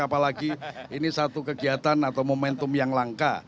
apalagi ini satu kegiatan atau momentum yang langka